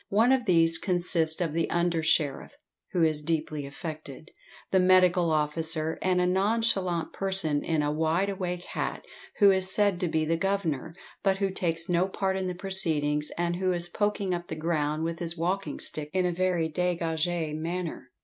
One of these consists of the under sheriff (who is deeply affected), the medical officer, and a nonchalant person in a wideawake hat, who is said to be the governor, but who takes no part in the proceedings, and who is poking up the ground with his walking stick in a very degagé manner.